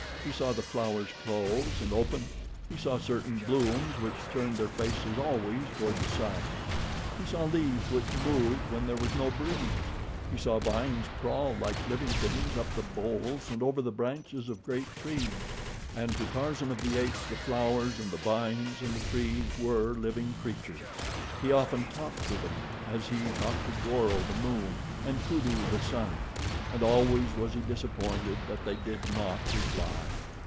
He saw the flowers close and open; he saw certain blooms which turned their faces always toward the sun; he saw leaves which moved when there was no breeze; he saw vines crawl like living things up the boles and over the branches of great trees; and to Tarzan of the Apes the flowers and the vines and the trees were living creatures. He often talked to them, as he talked to Goro, the moon, and Kudu, the sun, and always was he disappointed that they did not reply.